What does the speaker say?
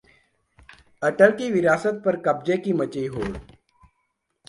अटल की विरासत पर कब्जे की मची होड़